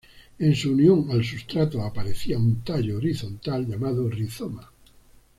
En su unión al sustrato aparecía un tallo horizontal llamado rizoma.